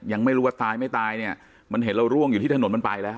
ยังไม่รู้ว่าตายไม่ตายเนี่ยมันเห็นเราร่วงอยู่ที่ถนนมันไปแล้ว